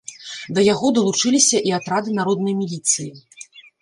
Да яго далучыліся і атрады народнай міліцыі.